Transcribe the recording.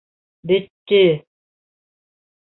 Бөттө!